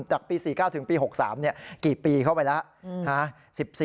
จากปี๔๙ถึงปี๖๓กี่ปีเข้าไปแล้ว